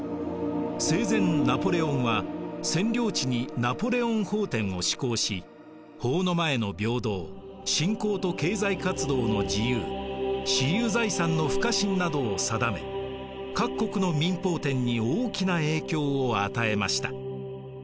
生前ナポレオンは占領地に「ナポレオン法典」を施行し法の前の平等信仰と経済活動の自由私有財産の不可侵などを定め各国の民法典に大きな影響を与えました。